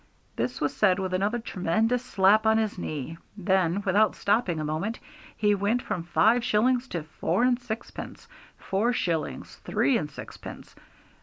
This was said with another tremendous slap on his knee. Then, without stopping a moment, he went from five shillings to four and sixpence, four shillings, three and sixpence.